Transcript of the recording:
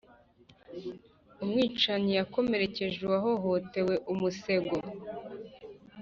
umwicanyi yakomerekeje uwahohotewe umusego.